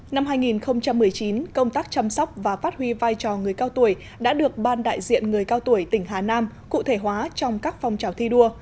năm hai nghìn một mươi chín công tác chăm sóc và phát huy vai trò người cao tuổi đã được ban đại diện người cao tuổi tỉnh hà nam cụ thể hóa trong các phong trào thi đua